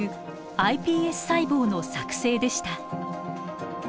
ｉＰＳ細胞の作製でした。